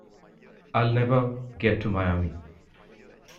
I'll never get to Miami!